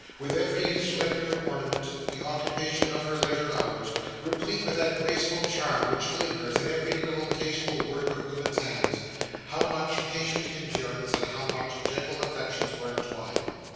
With every slender ornament, the occupation of her leisure hours, replete with that graceful charm which lingers in every little tasteful work of woman's hands, how much patient endurance and how many gentle affections were entwined!